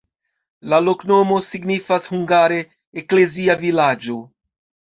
La loknomo signifas hungare: eklezia-vilaĝo.